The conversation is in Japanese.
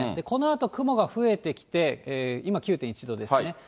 このあと雲が増えてきて、今、９．１度ですね。